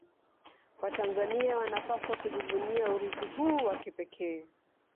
watanzania wanapaswa kujivunia urithi huu wa kipekee